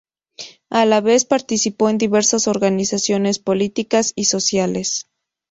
A la vez participó en diversas organizaciones políticas y sociales.